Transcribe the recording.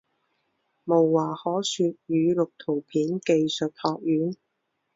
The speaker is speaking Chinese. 无话可说语录图片技术学院